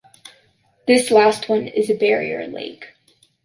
This last one is a barrier lake.